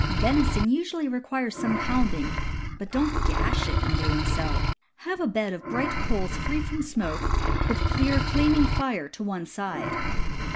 Venison usually requires g ... some pounding, but don't gash it in doing so. Have a bed of bright coals free from smoke, with clear flaming fire to one side.